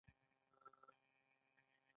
هغه په دې توګه ځان له کوره وایست.